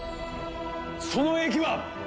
その駅は。